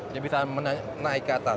dia bisa naik ke atas